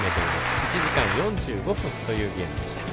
１時間４５分というゲームでした。